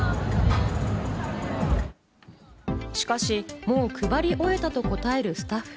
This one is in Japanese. しかし、もう配り終えたと答えるスタッフ。